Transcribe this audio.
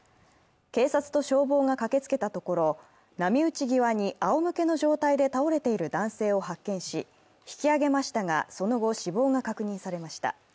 警察と消防が駆けつけたところ波打ち際にあおむけの状態で倒れている男性を発見し引き上げましたが、その後、死亡が確認されました。